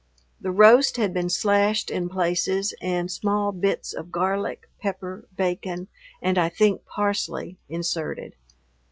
The roast had been slashed in places and small bits of garlic, pepper, bacon, and, I think, parsley, inserted.